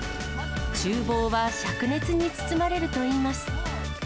ちゅう房はしゃく熱に包まれるといいます。